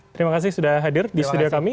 terima kasih sudah hadir di studio kami